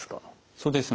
そうですね。